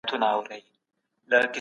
پوځي پریډونه د ملي ورځو برخه وو.